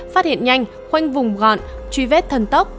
phát hiện nhanh khoanh vùng gọn truy vết thần tốc